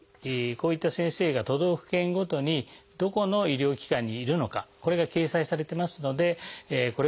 こういった先生が都道府県ごとにどこの医療機関にいるのかこれが掲載されてますのでこれを参考にしてみてください。